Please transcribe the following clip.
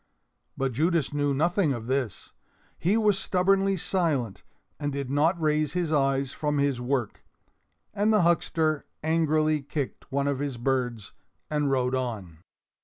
But Judas knew nothing of this. He was stubbornly silent and did not raise his eyes from his work, and the huckster angrily kicked one of his birds and rode on.